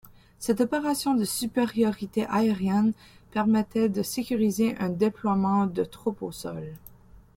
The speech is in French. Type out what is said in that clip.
Cette opération de supériorité aérienne permettait de sécuriser un déploiement de troupes au sol.